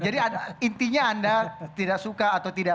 jadi intinya anda tidak suka atau tidak